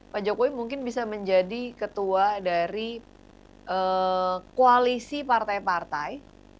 pak jokowi mungkin bisa menjadi ketua dari koalisi partai partai